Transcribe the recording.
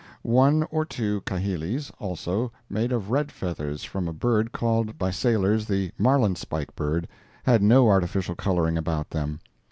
One or two kahilis, also, made of red feathers from a bird called by sailors the marlinspike bird, had no artificial coloring about them.